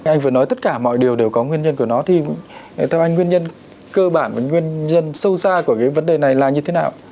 anh vừa nói tất cả mọi điều đều có nguyên nhân của nó thì theo anh nguyên nhân cơ bản và nguyên nhân sâu xa của cái vấn đề này là như thế nào